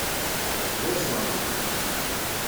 D iẓẓan.